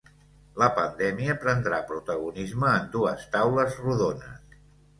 La pandèmia prendrà protagonisme en dues taules rodones.